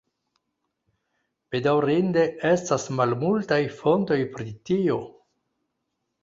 Bedaŭrinde estas malmultaj fontoj pri tio.